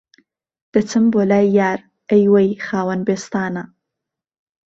دهچم بۆ لای یار، ئهی وهی خاوهن بێستانه